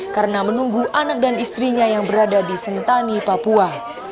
karena menunggu anak dan istrinya yang berada di sentani papua